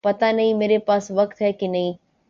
پتا نہیں میرے پاس وقت ہے کہ نہیں